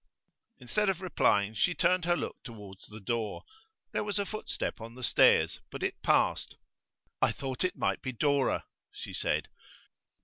Instead of replying she turned her look towards the door. There was a footstep on the stairs, but it passed. 'I thought it might be Dora,' she said.